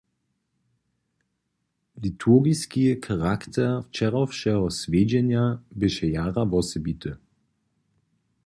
Liturgiski charakter wčerawšeho swjedźenja běše jara wosebity.